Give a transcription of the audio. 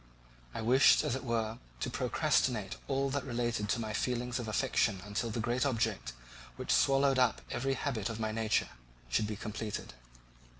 I wished, as it were, to procrastinate all that related to my feelings of affection until the great object, which swallowed up every habit of my nature, should be completed.